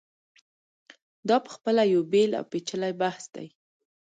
دا په خپله یو بېل او پېچلی بحث دی.